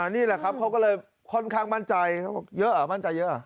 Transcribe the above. นี่แหละครับเขาก็เลยค่อนข้างมั่นใจเยอะเหรอมั่นใจเยอะเหรอ